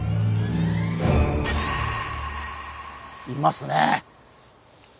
いますね！